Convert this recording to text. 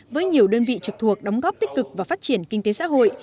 với nhiều đơn vị trực thuộc đóng góp tích cực vào phát triển kinh tế xã hội